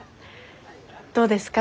どうですか？